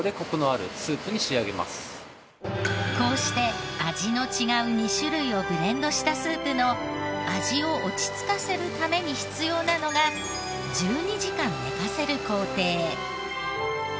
こうして味の違う２種類をブレンドしたスープの味を落ち着かせるために必要なのが１２時間寝かせる工程。